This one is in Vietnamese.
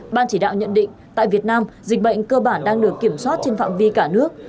ban chỉ đạo nhận định tại việt nam dịch bệnh cơ bản đang được kiểm soát trên phạm vi cả nước